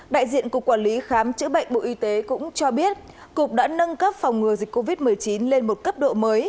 đại diện cục quản lý khám chữa bệnh bộ y tế cũng cho biết cục đã nâng cấp phòng ngừa dịch covid một mươi chín lên một cấp độ mới